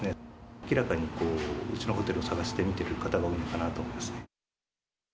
明らかにうちのホテルを探して見てる方が多いのかなと思いますね。